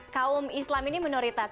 kaum islam ini minoritas